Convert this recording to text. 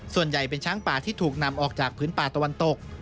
ส่วนใหญ่เป็นช้างป่าที่ถูกนำออกจากพื้นป่าตะวันตก